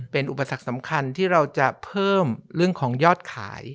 เป็นอุปสรรคสำคัญที่เราจะเพิ่มเรื่องของยอดขาย